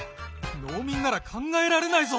農民なら考えられないぞ。